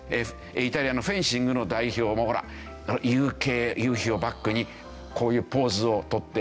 イタリアのフェンシングの代表もほら夕景夕日をバックにこういうポーズを取っていますでしょ。